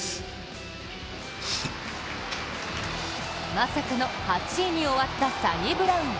まさかの８位に終わったサニブラウン。